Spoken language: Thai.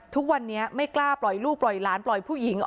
ทุกวันนี้ไม่กล้าปล่อยลูกปล่อยหลานปล่อยผู้หญิง